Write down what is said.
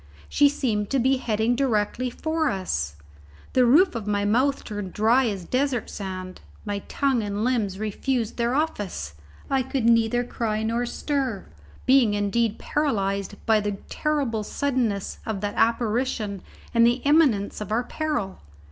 She seemed to be heading directly for us. The roof of my mouth turned dry as desert sand; my tongue and limbs refused their office; I could neither cry nor stir, being indeed paralyzed by the terrible suddenness of that apparition and the imminence of our peril.